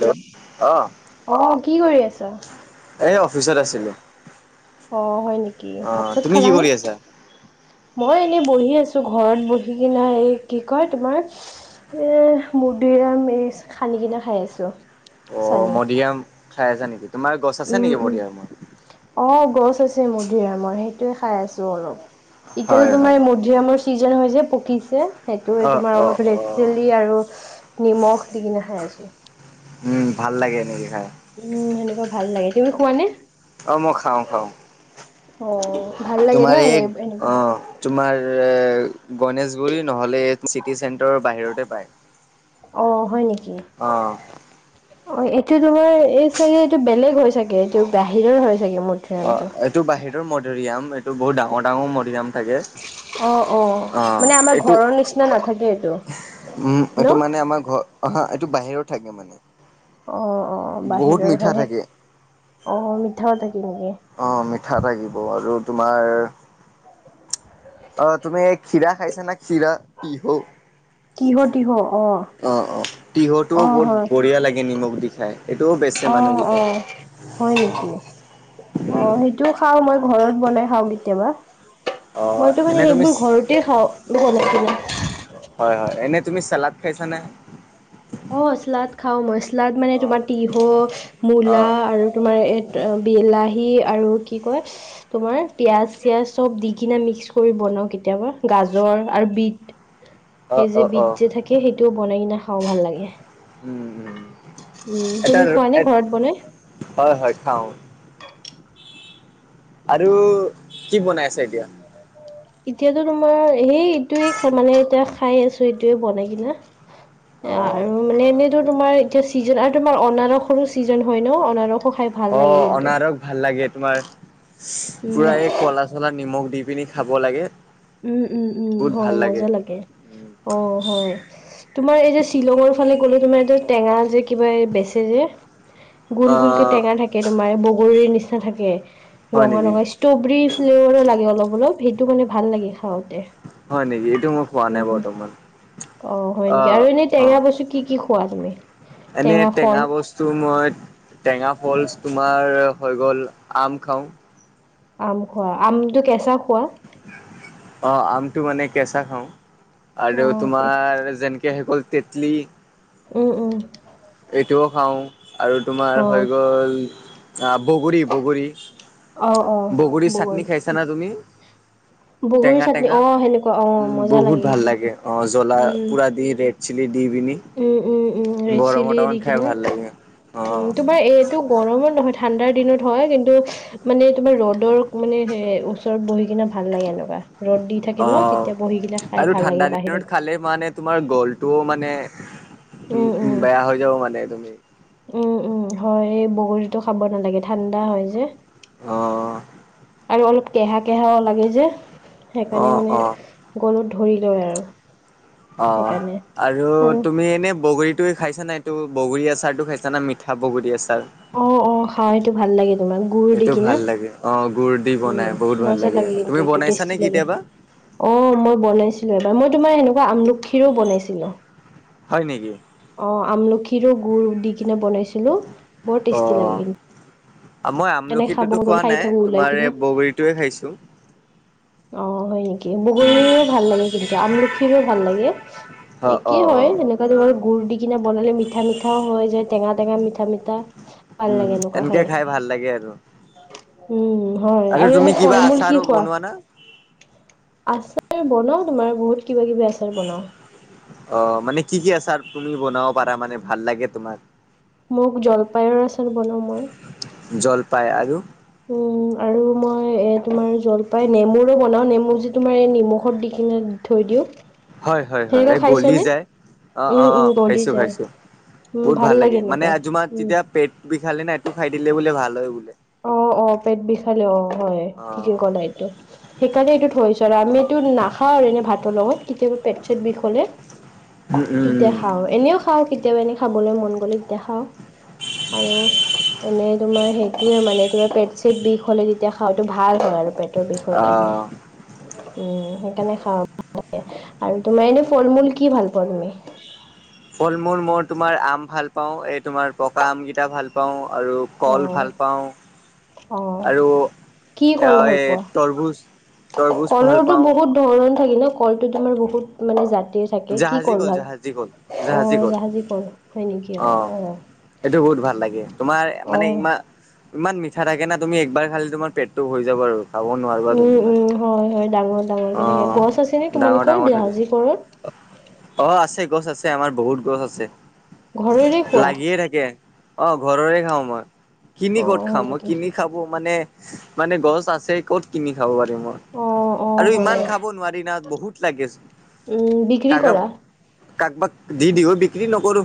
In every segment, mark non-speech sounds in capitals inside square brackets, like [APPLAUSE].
Hello, অ, অ কি কৰি আছা এই অফিচত আছিলো। অ, হয় নেকি ভাত চাত খালা নে? কৰি আছা? মই এনেই বহি আছো ঘৰত বহি কিনা এই কি কয় তোমাৰ এ মধুৰীয়াম এইচ খানি কিনে খাই আছো। অ, চানি মধুৰিয়াম খাই আছা নেকি তোমাৰ গছ আছে উম নেকি উম মধুৰিয়ামৰ? অ, গছ আছে মধিৰামৰ সেইটোয়ে খাই আছো অলপ এতিয়ালো হয়, তোমাৰ হয়। এই ধুৰিয়ামৰ চিজন হৈছে পকিছে সেইটোয়ে অ', তোমাৰ অ', অলপ ৰে অ', জেলি আৰু নিমখ দি কিনে খাই আছো। উম, ভাল লাগে এনেকে খাই। উম, সেনেকুৱা ভাল লাগে তুমি খোৱা নে? অ, মই খাও-খাও। অ, ভাল লাগে নহ এই এনেকুৱা। অ', তোমাৰ গণেশগুৰি নহ'লে চিটি চেণ্টাৰৰ বাহিৰতে পায়। অ, হয় নেকি? অ', অ, এইটো তোমাৰ এই ছোৱালী এইটো বেলেগ হৈ চাগে এইটো বাহিৰৰ হয় চাগে মঠ অ, এইটো বাহিৰৰ মধুৰিআম এইটো বহুত ডাঙৰ - ডাঙৰ মধুৰিআম থাকে। অ, মানে আমাৰ এইটো ঘৰৰ নিচিনা নাথাকে এইটো। উম, ন? এইটো মানে আমাৰ ঘৰ অ, হা এইটো বাহিৰত থাকে মানে। অ', অ', বহুত বাহিৰৰ মিঠা হয়হে থাকে। অ, মিঠাও থাকি নেকি? অ, মিঠাও থাকিব আৰু তোমাৰ [INAUDIBLE] অ, তুমি ক্ষীৰা খাইছা না ক্ষীৰা। তিহও। তিহ তিহ অ অ', অ', তিহটোও অ বহুত হয়। বঢ়িয়া লাগে নিমখ দি খাই এইটোও বেছি অ ', অ', হয় নেকি অ, সেইটোও খাও মই ঘৰত বনাই খাও কেতিয়াবা। অ মইতো মানে এনে তুমি সেইবোৰ ঘৰতে খাও বনাইকিনে। হয়-হয় এনে তুমি চালাদ খাইছানে? অহ, শ্লাদ খাও মই শ্লাদ মানে অ তোমাৰ তিহ অ মূলা আৰু তোমাৰ এই বিলাহী আৰু কি কয় তোমাৰ পিয়াজ চিয়াজ চব দি কিনে মিক্স কৰি বনাও কেতিয়াবা গাজৰ আৰু বিট। অ সেই যে অ অ বিত যে থাকে সেইটোও বনাই কিনে খাও ভাল লাগে। উম উম উম, তুমি খোৱা নে ঘৰত বনাই। হয়-হয় খাও। আৰু কি বনাই আছে এতিয়া। এতিয়াতো তোমাৰ সেই এইটোৱে মানে এতিয়া খাই আছো এইটোৱে বনাইকিনে। অ আৰু মানে এনেইতো তোমাৰ এতিয়া চিজন আৰু তোমাৰ অনাৰসৰো ছিজন হয় ন অনাৰসো খাই। ভাল অ, লাগে কিন্তু অনাৰক ভাল লাগে তোমাৰ উম, পুৰা এই কলা মছলা নিমখ দি পিনি খাব লাগে। উম উম উম বহুত ভাল হয় মজা লাগে, অ হয়। তোমাৰ এই যে শ্বিলঙৰ ফালে গ'লে তোমাৰ এ টেঙা যে কিবা এই বেচে যে গোল গোলকে অ টেঙা থাকে তোমাৰ বগৰীৰ নিচিনা থাকে, হয় ৰঙা নেকি ৰঙা। ষ্ট্ৰবেৰী ফ্লেভাৰো লাগে অলপ অলপ সেইটো মানে ভাল লাগে খাওঁতে। হয় নেকি এইটো মই খোৱা নাই উম, বৰ্তমান। অ, হয় নেকি আৰু এনেই অ টেঙা বস্তু কি - কি খোৱা তুমি টেঙা ফল? তোৰ মই টেঙা ফলচ তোমাৰ হৈ গ'ল আম খাও। আম খোৱা আমটো কেচা খোৱা? অ, আমটো মানে কেচা খাও আৰু অ', কে তোমাৰ যেনে কেহ গ'ল তেতলি। উম উম। এইটোও খাওঁ আৰু তোমাৰ হৈ অ', গ'ল, আ বগৰী বগৰী। অ', অ', বগৰীৰ চাটনি বগৰীটো। খাইছা না তুমি? বগৰী টেঙা চাটনি টেঙা, অ', সেনেকুৱা অ', উম মজা বহুত ভাল সেইটো। লাগে অ জ্বলা উম, পুৰা দি ৰেট চিলি দিপিনি উম, উম, উম, ৰেড গৰমত চিলি দি অকমান খাই কিনে, ভাল লাগে উম অ তোমাৰ এইটো গৰমত নহয় ঠাণ্ডাৰ দিনত হয় কিন্তু মানে তোমাৰ ৰ'দৰ মানে সে ওচৰত বহি কিনে ভাল লাগে এনেকুৱা ৰ'দ দি থাকে ন অ' তেতিয়া বহি কিনে খাই আৰু ভাল ঠাণ্ডা লাগে দিনত বাহিৰত। খালে মানে তোমাৰ গলটোও মানে উম বেয়া হৈ যাব মানে তুমি উম উম হয় এই বগৰীতো খাব নালাগে ঠাণ্ডা হয় যে। অঁ আৰু অলপ কেহা কেহাও লাগে যে সেইকাৰণে অ' মানে, অ' গলত ধৰি লয় আৰু। অ সেইকাৰণে আৰু তুমি এনে বগৰী খাইছা নাই এইটো বগৰী আচাৰটো খাইছা না মিঠা বগৰী আচাৰ? অ অ খাওঁ এইটো ভাল লাগে তোমাৰ গুড় দি এইটো কিনে। ভাল লাগে অ', গুৰ দি বনাই বহুত ভাল লাগে। কিন্তু তুমি এইটো বনাইছা টেষ্টি নে লাগে। কেতিয়াবা? অ', মই বনাইছিলোঁ এবাৰ, মই তোমাৰ সেনেকুৱা আমলখিৰো বনাইছিলোঁ। হয় নেকি? অ', আমলখিৰো গুুৰ দি কিনে বনাইছিলোঁ, বৰ টেষ্টি লাগে কিন্তু। অ' মই তেনে খাব আমলখিটোতো গ'লে খোৱা খাই নাই থাকো ওলাই তোমাৰ কিনে। এই বগৰীটোৱে খাইছোঁ। অ', হয় নেকি? বগৰীৰো ভাল লাগে কিন্তু আমলখিৰো ভাল লাগে। অ', একেই অ', অ'। হয় এনেকুৱা গুুৰ দি কিনে বনালে মিঠা-মিঠাও হয় যে, টেঙা-টেঙা মিঠা-মিঠা। উম, এনেকে খাই ভাল লাগে আৰু। উম হয়। আৰু তুমি এনে কিবা ফল মূল আচাৰো কি খোৱা? বনোৱা না? আচাৰ বনাওঁ তোমাৰ বহুত কিবা কিবি আচাৰ বনাওঁ। অ', মানে কি-কি আছাৰ তুমি বনাব পাৰা মানে ভাল লাগে তোমাৰ? মোক জলপাইৰ আচাৰ বনাওঁ মই। জলপাই আৰু? উম, আৰু মই এ তোমাৰ জলপাই নেমুৰো বনাওঁ, নেমু যি তোমাৰ এই নিমখত দি কিনে থৈ দিওঁ। হয়-হয়-হয় সেনেকুৱা এই গলি খাইছানে? যায়, অ', উম অ', উম অ', গলি যায় খাইছো-খাইছো। উম বহুত ভাল লাগে মানে এনেকুৱা আজ তোমাৰ উম। তেতিয়া পেট বিষালে নাই এইটো খাই দিলে বোলে ভাল হয় বোলে। অ', অ', পেট বিষালে অ', হয়। অ ঠিকে ক'লা এইটো। সেইকাৰণে এইটোত থৈছোঁ আৰু আমি এইটো নাখাওঁ আৰু এনে ভাতৰ লগত, কেতিয়াবা পেট চেট বিষ হলে উম উম তেতিয়া উম খাওঁ। এনেও খাওঁ কেতিয়াবা এনে খাবলৈ মন গ'লে তেতিয়া খাওঁ। আৰু এনেই তোমাৰ হেৰি সেইটোৱে মানে তোমাৰ পেট চেট বিষ হ'লে তেতিয়া খোৱাটো ভাল হয় আৰু পেটৰ বিষৰ অ। কাৰণে। উম, সেইকাৰণে খাওঁ [INAUDIBLE] আৰু তোমাৰ এনে ফল মূল কি ভাল পাৱা তুমি? ফল মূল মোৰ তোমাৰ আম ভাল পাওঁ, এই তোমাৰ পকা আমকেইটা ভাল পাওঁ আৰু কল অ', ভাল পাওঁ। অ', আৰু কি কল ভাল এই পোৱা? তৰভুজ তৰভুজ ভাল পাওঁ হৰণ থাকিলেও কলটো তোমাৰ বহুত মানে জাতিৰ থাকে কি জাহাজী কৰ কল ভাল জাহাজী কল অ জাহাজী কল হয় নেকি অ অ এইটো বহুত ভাল লাগে তোমাৰ মানে অ', ইমা ইমান মিঠা থাকে না তুমি একবাৰ খালে তোমাৰ পেটটো ভৰি যাব আৰু। খাব নোৱাৰিবা উম, তুমি উম, মনে। হয়, হয় ডাঙৰ ডাঙৰকে অ', ডাঙৰ-ডাঙৰ থাকে। ওপৰত। অ', আছে গছ আছে আমাৰ বহুত গছ আছে, ঘৰৰে খোৱা লাগিয়ে থাকে। অ ঘৰৰে খাওঁ মই কিনি ক'ত অ', হয় খাম মই নেকি কিনি খা ব মানে মানে গছ আছে ক'ত কিনি খাব পাৰিম মই- অ', অ', আৰু ইমান হয় খাব নোৱাৰি না বহুত লাগে। উম বি- কাঘভ কাকবাগ দি দিও বিক্ৰী নকৰো।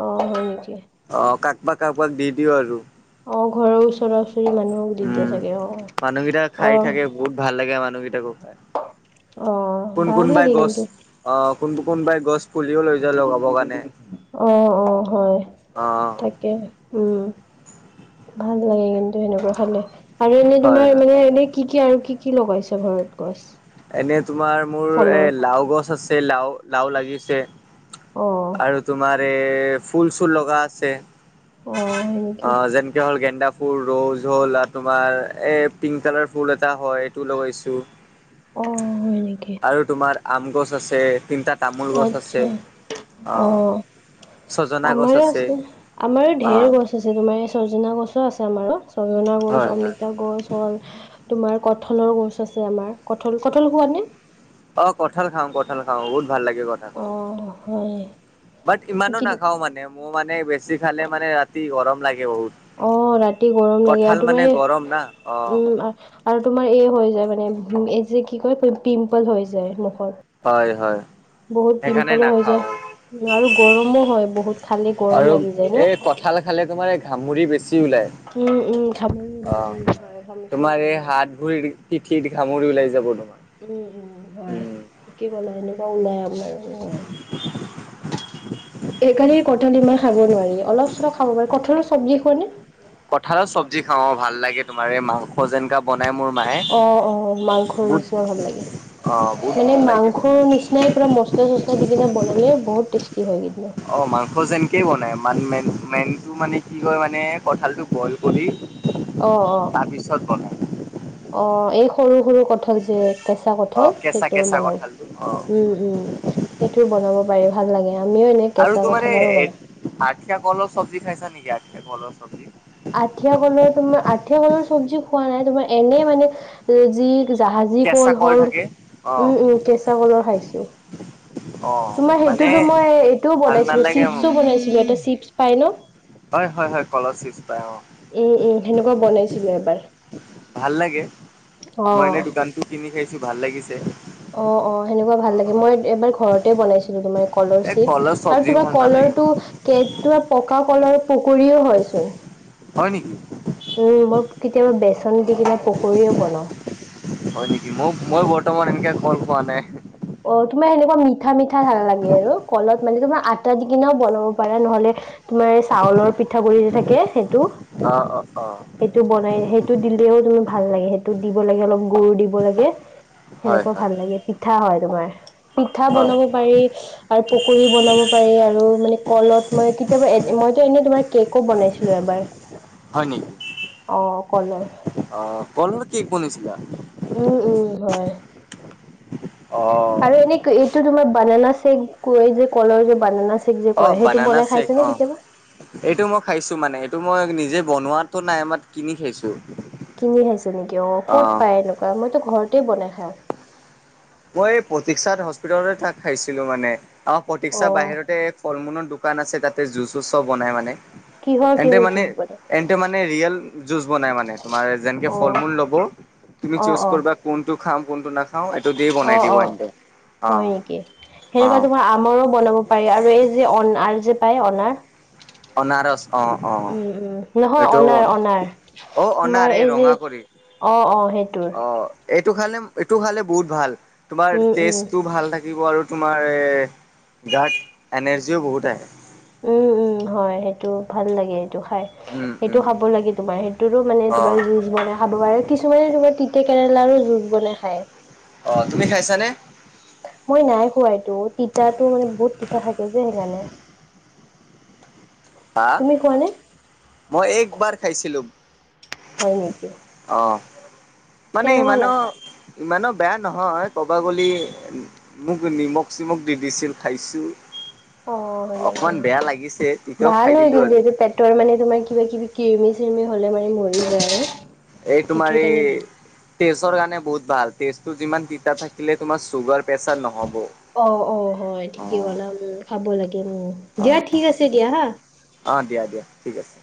অ হয় নেকি? অ কাকবাক কাকবাক দি দিও আৰু অ ঘৰৰ ওচৰা ওচৰি মানুহক দি দিয়া উম। চাগে মানুহকেইটা অ অ খাই থাকে বহুত ভাল লাগে মানুহকেইটাকো খুৱাই অ ভাল লাগে কিন্তু অ কোনবো কোনবাই গছ পুলিও লৈ যায় লগাবৰ কাৰণে অ অ হয় অ তা কে উম ভাল লাগে কিন্তু সেনেকুৱা খালে। আৰু এনেই হয় তোমাৰ হয় মানে এনে কি কি আৰু কি কি লগাইছ ঘৰত গছ এনে তোমাৰ মোৰ এ ফলৰ লাও গছ আছে লাও লাও লাগিছে অ আৰু তোমাৰ এ ফুল চুল লগা আছে অ', হয় নেকি? অ যেনেকে হ'ল গেণ্ডা ফুল ৰৌজ হ'ল আৰু তোমাৰ এই পিংক কালাৰ ফুল এটা হয় এইটোও লগাইছো অ হয় নেকি আৰু তোমাৰ আম গছ আছে তিনিটাত অ আচ্ছা অহ ছজনা গছ আমাৰো আছে আমাৰো অ ঢেৰ গছ। আছে তোমাৰ এই চজিনা গছো আছে আমাৰো ছজনা গছ, হয় হয় অমিতা গছ হ'ল তোমাৰ কঠলৰ গছ আছে আমাৰ কঠল কঠল খোৱা নে অ কঠাল খাও ক ঠাল খাও বহুত ভাল লাগে কঠাল অ', হয়। বাট ইমানো নাখাও মানে মোৰ মানে বে ছি খালে মানে ৰাতি গৰম লাগে বহুত। অ ৰাতি গৰম লাগে কঁঠাল আৰু মানে তোমাৰ গৰম না অ এহ উম আৰু তোমাৰ এই হৈ যায় মানে এই যে কি কয় পিম্পল হৈ যায় মুখত হয় হয় বহুত সেইকাৰণে পিম্পলো হৈ যায় নাখাও। আৰু গৰমো হয় বহুত খালি গৰম আৰু লাগি যায় ন এই কঁঠাল খালে তোমাৰ এই ঘামুৰি বেছি ওলায় উম উম ঘামৰি অ ওলাই উম হয় ঘামুচি তোমাৰ ওলাই এই বহুত। হাত ঘুৰিৰ পিঠিত ঘামুৰি ওলাই যাব তোমাৰ উম উম হয় উম। ঠিকেই কলে এনেকুৱা ওলাই আমাৰো উম সেই কানে কঠাল ইমান খাব নোৱাৰি অলপ চলপ খাব পাৰি কঠালৰ চব্জি খোৱা নে? কঠালত চব্জি খাওঁ ভাল লাগে তোমাৰ এই মাং অ অ মাংখৰ বহুত নিচিনা ভাল লাগে। অ বহুত মানে ভাল লাগে মাংসৰ মানে। নিচিনাই পুৰা মচলা চচলা দি কিনে বনালে বহুত টেষ্টি হয় কিন্তু অ মাংস যেনকেই বনাই মান মেন মেনটো মানে কি কয় মানে কঠালটো বইল কৰি অ অ তাৰপিছত বনায়। অ এই সৰু সৰু কঠাল যে কেঁচা অ কঠাল কেঁচা সেইটো কেঁচা বনাও কঁঠালটো অ উম উম সেইটো বনাব পাৰি, ভাল লাগে। আমিও এনে আৰু কেঁচা তোমাৰ এই কঁঠালাৰো এ বনাও। আঠিয়া কলৰ চব্জি খাইছা নেকি? আঠিয়া কলৰ চব্জি। আঠিয়া কলৰ তোমাৰ আঠিয়া কলৰ চব্জি খোৱা নাই তোমাৰ এনেই মানে যি জাহাজী কেঁচা কল হল। থাকে অ উম উম কেঁচা কলৰ খাইছো। অ তোমাৰ সেইটো মানে এইটোও ভাল বনাইছিলো নালাগে মোক চিপছো বনাইছিলে এটা চিপছ পাই ন হয় হয় হয় কলৰ চিপছ পাই অ উম উম সেনেকুৱা বনাইছিলে এবাৰ অ টো কিনি খাইছো ভাল লাগিছে। অ অ সেনেকুৱা অ ভাল লাগে। মই এবাৰ ঘৰতে বনাইছিলো তোমাৰ কলৰ এই চিপছ কলৰ আৰু চব্জি তোমাৰ ভাল নালাগে কলৰটো মোক কে তোমাৰ পকা কলৰ পকৰীও হয় চোন। হয় নেকি? উম মই কেতিয়াবা বেচন দি কিনে পকৰীও বনাওঁ। হয় নেকি মই মই বৰ্তমান এনেকে কল খোৱা নাই। অ তোমাৰ সেনেকুৱা মিঠ মিঠা ভাল লাগে আৰু। কলত মানে তোমাৰ আটা দি কিনেও বনাব পাৰা নহলে তোমাৰ এই চাউলৰ পিঠাগুড়ি যে থাকে সেইটো অ-অ-অ। সেইটো বনাই সেইটো দিলেও তুমি ভাল লাগে সেইটো দিব লাগে অলপ গুৰ দিব লাগে হয় সেনেকুৱা হয় ভাল লাগে। পিঠা হয় তোমাৰ। পিঠা হয় বনাব হয় পাৰি আৰু পকৰী বনাব পাৰি আৰু মানে কলত মই কেতিয়াবা এ মইতো এনেই তোমাৰ কেকো বনাইছিলো এবাৰ, হয় নেকি অ কলৰ। অ কলৰ কেক বনাইছিলা! উম উম, হয়। অ আৰু এনে এইটো তোমাৰ বানানাছেক এই যে কলৰ যে বানানাছেক যে অ কয় সেইটো বানানা বনাই চেক খাইছা অ নে কেতিয়াবা? এইটো মই খাইছো মানে। এইটো মই নিজে বনোৱাটো নাই। আমাত কিনি খাইছো। কিনি খাইছে নেকি? অ ক'ত পায় এনেকুৱা? মইতো ঘৰতেই বনাই খাওঁ। মই এই প্ৰতীক্ষাত হস্পিতালতে তা- খাইছিলো মানে। আমাক অ প্ৰতীক্ষা বাহিৰতে ফল মূলৰ দোক দোকান আছে তাতে জুচ চুচ চব বনাই মানে। কিহৰ এন্তে কিহৰ মানে জুচ বনাই এন্তে মানে ৰিয়েল‌ জুচ বনায় মানে। তোমাৰ যেননকে অ ফল মূল লব তুমি অ চুচ অ কৰবা কোনটো খাম কোনটো নাখাওঁ। এইটো দি অ বনাই দিব অ এন্তে অ হয় নেকি? অ সেনেকুৱা তোমাৰ‌ আ আমৰো বনাব পাৰি আৰু এই যে অনাৰ যে পায় অনাৰ। অনাৰস অ অ। উম, উম, নহয় এইটো অনাৰ অনাৰ অ তোমাৰ অনাৰ এ এই যে ৰঙা কৰি অ', অ', সেইটোৰ অহ। এইটো খালে, এইটো খালে বহুত ভাল তোমাৰ উম, উম, টেজটো ভাল থাকিব আৰু তোমাৰ গাত এনাৰ্জিও বহুত আহে। উম উম হয়, সেইটো ভাল লাগে এইটো খাই। উম সেইটো উম খাব লাগে তোমাৰ সেইটোৰো মানে অ তোমাৰ যুজ বনাই খাব পাৰে কিছুমানে তোমাৰ তিতা কেৰেলাৰো জুচ বনাই খায়। অ তুমি খাইছানে? মই নাই খোৱা এইতো। তিতাটো মানে বহুত তিতা থাকে যে সেইকাৰণে। হা তুমি খোৱানে মই একবাৰ খাইছিলো। হয় নেকি? অ মানে কেনেকুৱা ইমানো লাগে ইমানো বেয়া নহয়, ক'ব গলি মোক নিমখ চিমখ দি দিছিল। খাইছো, অ', হয় অকমান নেকি? বেয়া লাগিছে। তেতিয়াও ভাল খাই হয় দিলো কিন্তু, আৰু এইটো পেটৰ মানে তোমাৰ কিবা কিবি কৃমি চিৰ্মি হ'লে মানে ম আৰু এই তোমাৰ সেইটোৰ এই কাৰণে ভাল। তেজৰ কাৰণে বহুত ভাল। তেজটো যিমান তিতা থাকিলে তোমাৰ চুগাৰ প্ৰেচাৰ নহব। অ' অ'! হয়, অ ঠিকে ক'লা! খাব লাগে, উম! দিয়া ঠিক আছে, দিয়া হা। অ'! দিয়া, দিয়া! ঠিক আছে।